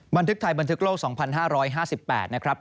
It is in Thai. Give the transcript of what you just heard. บันทึกไทยบันทึกโลก๒๕๕๘นะครับ